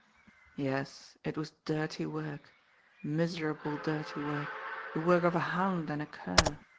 Yes, it was dirty work miserable, dirty work, the work of a hound and a cur!